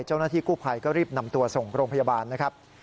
เจ้าหน้าที่กู้ภัยก็รีบนำตัวส่งโรงพยาบาลนะครับ